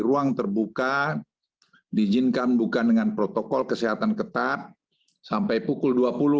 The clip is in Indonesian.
ruang terbuka diizinkan bukan dengan protokol kesehatan ketat sampai pukul dua puluh